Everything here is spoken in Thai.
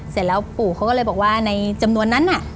เสร็จแล้วปู่เขาก็เลยบอกว่าในจำนวนนั้นน่ะ